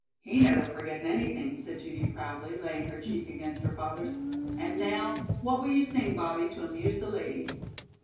"He never forgets anything," said Judy proudly, laying her cheek against her father's. "And now, what will you sing, Bobbie, to amuse the ladies?"